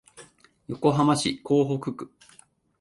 横浜市港北区